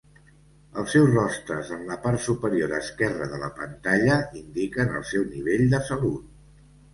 Els seus rostres en la part superior esquerra de la pantalla indiquen el seu nivell de salut.